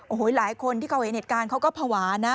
โอ้โหหลายคนที่เขาเห็นเหตุการณ์เขาก็ภาวะนะ